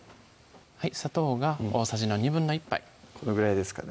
砂糖が大さじの１／２杯このぐらいですかね？